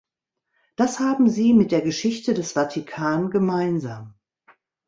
Das haben Sie mit der Geschichte des Vatikan gemeinsam.